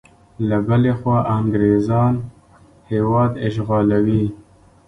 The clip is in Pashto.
له بلې خوا انګریزیان هیواد اشغالوي.